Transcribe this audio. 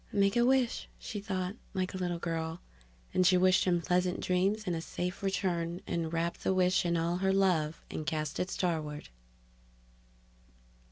Make a wish! she thought, like a little girl, and she wished him pleasant dreams and a safe return and wrapped the wish in all her love and cast it starward.